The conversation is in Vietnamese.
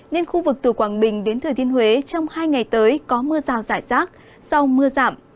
nên khu vực từ quảng bình đến thừa thiên huế trong hai ngày tới có mưa rào rải rác sau mưa giảm